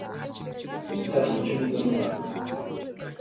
igitaramo cy'umuganura